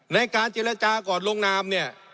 ในการเจรจาก่อนลงนามเนี่ย